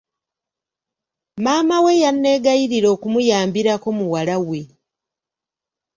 Maama we yanneegayirira okumuyambirako muwala we.